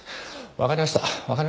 わかりました。